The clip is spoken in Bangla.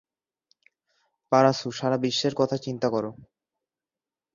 পারাসু, সারা বিশ্বের কথা চিন্তা করো।